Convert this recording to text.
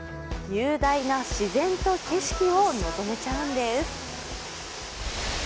雄大な自然と景色を望めちゃうんです。